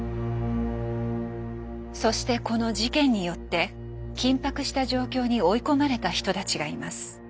そしてこの事件によって緊迫した状況に追い込まれた人たちがいます。